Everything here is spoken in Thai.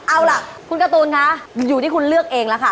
เอาล่ะคุณการ์ตูนคะอยู่ที่คุณเลือกเองแล้วค่ะ